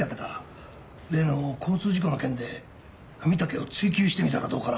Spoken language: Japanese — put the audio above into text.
例の交通事故の件で文武を追及してみたらどうかな？